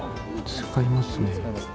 使いますね。